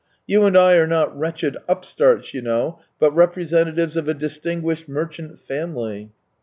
You and I are not wretched upstarts, you know, but representatives of a distinguished merchant family."